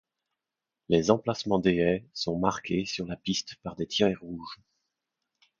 Les emplacements des haies sont marqués sur la piste par des tirets rouges.